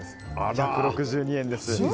１６２円です。